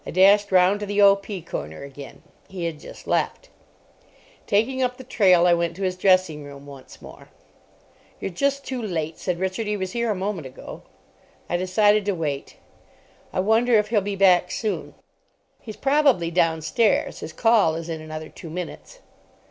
I dashed round to the O.P. corner again. He had just left. Taking up the trail, I went to his dressing room once more. "You're just too late, sir," said Richard; "he was here a moment ago." I decided to wait. "I wonder if he'll be back soon." "He's probably downstairs. His call is in another two minutes."